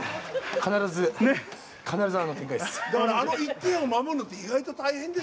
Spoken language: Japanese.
必ずあの展開です。